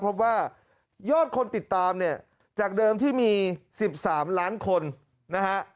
พบว่ายอดคนติดตามเนี่ยจากเดิมที่มี๑๓ล้านคนนะฮะ